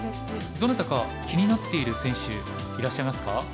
どなたか気になっている選手いらっしゃいますか？